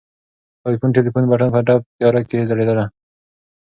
د آیفون ټلیفون بټن په تپ تیاره کې ځلېدله.